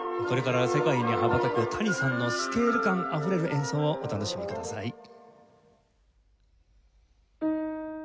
これから世界に羽ばたく谷さんのスケール感あふれる演奏をお楽しみください。